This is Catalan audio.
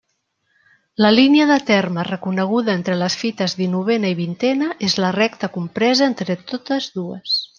La línia de terme reconeguda entre les fites dinovena i vintena és la recta compresa entre totes dues.